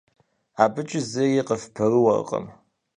АбыкӀи зыри къыфпэрыуэркъым.